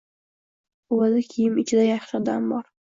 Uvada kiyim ichida yaxshi odam bor